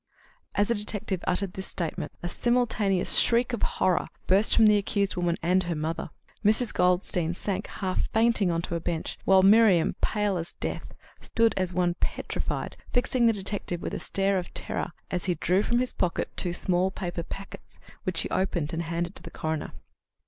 As the detective uttered this statement, a simultaneous shriek of horror burst from the accused woman and her mother. Mrs. Goldstein sank half fainting on to a bench, while Miriam, pale as death, stood as one petrified, fixing the detective with a stare of terror, as he drew from his pocket two small paper packets, which he opened and handed to the coroner.